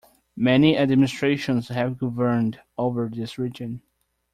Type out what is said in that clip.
Many administrations have governed over this region.